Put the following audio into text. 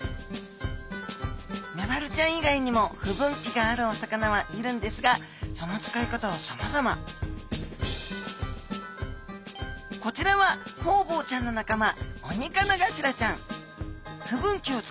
メバルちゃん以外にも不分岐があるお魚はいるんですがその使い方はさまざまこちらはホウボウちゃんの仲間